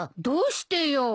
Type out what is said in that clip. どうしてよ。